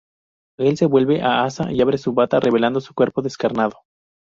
Él se vuelve a Asa y abre su bata, revelando su cuerpo descarnado.